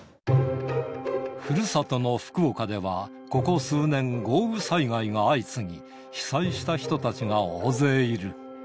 ふるさとの福岡では、ここ数年、豪雨災害が相次ぎ、被災した人たちが大勢いる。